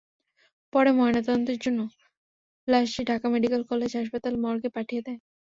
পরে ময়নাতদন্তের জন্য লাশটি ঢাকা মেডিকেল কলেজ হাসপাতাল মর্গে পাঠিয়ে দেয়।